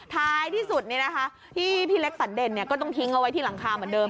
ท้ายที่สุดที่พี่เล็กสันเด่นก็ต้องทิ้งเอาไว้ที่หลังคาเหมือนเดิม